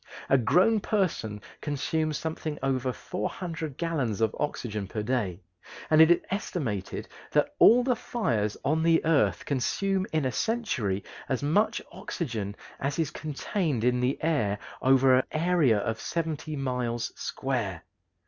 A grown person consumes something over 400 gallons of oxygen per day, and it is estimated that all the fires on the earth consume in a century as much oxygen as is contained in the air over an area of seventy miles square.